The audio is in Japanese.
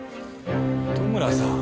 糸村さん。